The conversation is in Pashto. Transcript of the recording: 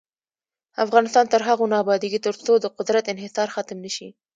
افغانستان تر هغو نه ابادیږي، ترڅو د قدرت انحصار ختم نشي.